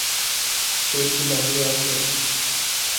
কেউকি বাইরে আছে?